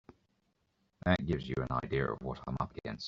That gives you an idea of what I'm up against.